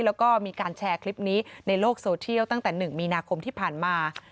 แล้วก็มีการแชร์คลิปนี้ในโลกโซเทียลตั้งแต่๑มีนาคมที่ผ่านมา